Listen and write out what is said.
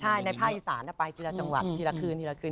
ใช่ในภาคอีสานไปทีละจังหวัดทีละคืนทีละคืน